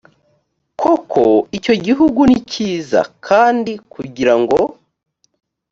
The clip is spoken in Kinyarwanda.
koko icyo gihugu ni cyiza kandi kugira ngo